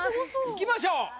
いきましょう。